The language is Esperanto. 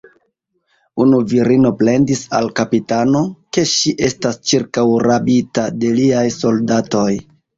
Unu virino plendis al kapitano, ke ŝi estas ĉirkaŭrabita de liaj soldatoj.